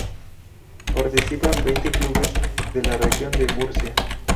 Participan veinte clubes de la Región de Murcia.